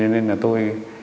nên là tôi